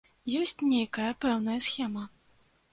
Ёсць нейкая пэўная схема?